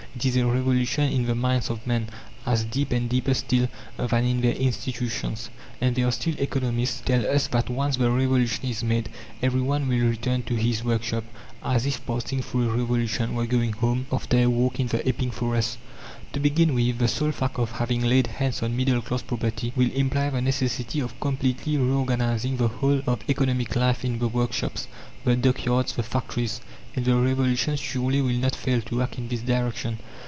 It is a revolution in the minds of men, as deep, and deeper still, than in their institutions. And there are still economists, who tell us that once the "revolution is made," everyone will return to his workshop, as if passing through a revolution were going home after a walk in the Epping forest! To begin with, the sole fact of having laid hands on middle class property will imply the necessity of completely reorganizing the whole of economic life in the workshops, the dockyards, the factories. And the revolution surely will not fail to act in this direction.